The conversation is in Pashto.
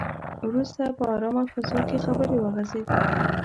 وروسته په ارامه فضا کې خبرې وغځېدې.